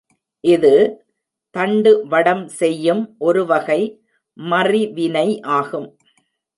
இது, தண்டு வடம் செய்யும் ஒரு வகை மறிவினை ஆகும்.